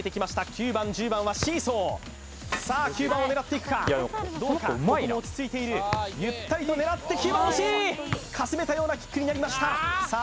９番１０番はシーソーさあ９番を狙っていくかどうかここも落ち着いているゆったりと狙って９番惜しいかすめたようなキックになりましたさあ